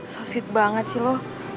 sosid banget sih lo